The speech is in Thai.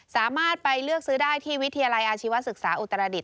สามารถไปเลือกซื้อได้ที่วิทยาลัยอาชีวศึกษาอุตรดิษ